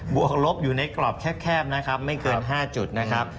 วกลบอยู่ในกรอบแคบนะครับไม่เกิน๕จุดนะครับ